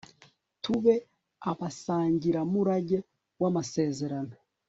tube abasangiramurage w'amasezerano